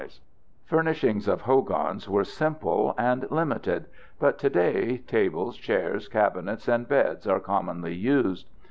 National Archives] Furnishings of hogans were simple and limited, but today tables, chairs, cabinets, and beds are commonly used.